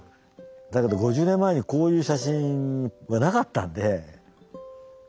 だけど５０年前にこういう写真はなかったんで。